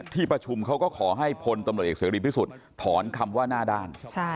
ที่ประชุมเขาก็ขอให้พลตำรวจเอกเสรีพิสุทธิ์ถอนคำว่าหน้าด้าน